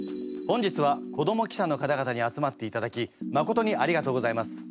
本日は子ども記者の方々に集まっていただきまことにありがとうございます。